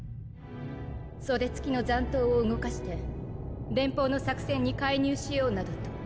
袖付きの残党を動かして連邦の作戦に介入しようなどと。